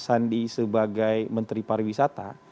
sandi sebagai menteri pariwisata